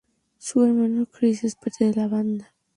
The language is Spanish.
Su hermano Chris Flaherty es parte de la banda.